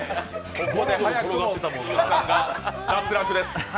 ここで早くも鈴木さんが脱落です。